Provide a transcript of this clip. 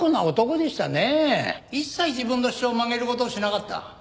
一切自分の主張を曲げる事をしなかった。